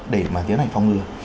để mà tiếng này phong ngừa